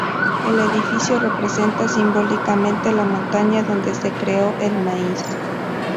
El edificio representa simbólicamente la montaña donde se creó el maíz.